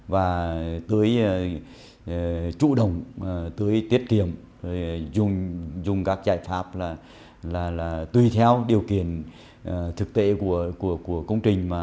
và tưới chủ động tưới tiết kiệm dùng các giải pháp là tùy theo điều kiện thực tế của công trình